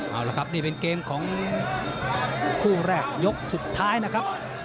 เอาละครับนี่เป็นเกมของคู่แรกยกสุดท้ายนะครับ